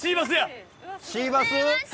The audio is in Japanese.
シーバスや。